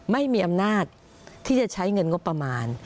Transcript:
ไม่มีอำนาจที่จะใช้เงินงบประมาณ